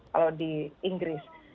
kalau di inggris